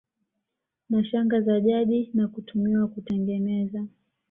na shanga za jadi na kutumiwa kutengeneza